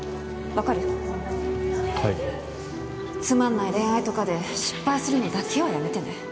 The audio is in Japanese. つまんない恋愛とかで失敗するのだけはやめてね